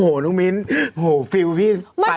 โหน้องมิ้นโหฟิลพี่ไปหมดเลย